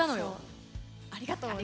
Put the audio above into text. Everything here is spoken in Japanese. ありがとうね。